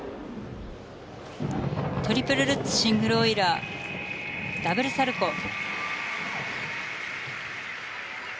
トリプルルッツシングルオイラーダブルサルコウ。